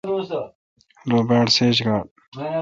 ررو باڑ سیج گار۔